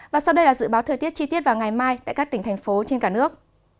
và sau đây là dự báo thời tiết chi tiết vào ngày mai tại các tỉnh thành phố trên cả nước